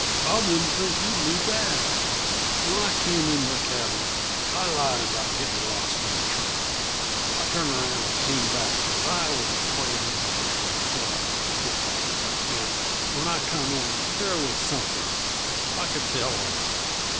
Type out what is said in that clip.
I wouldn't think you'd need to ask. When I came in the cabin I lied about getting lost from the trail I turned around and came back, because I was afraid he might come before I could get back, and when I came in, there was something. I could tell, all right.